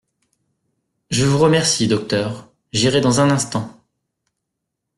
Je vous remercie, docteur ; j'irai dans un instant.